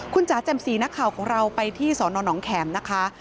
คุณจ๋าแจ่มสีนักข่าวของเราไปที่สอนอนน้องแขมนะคะ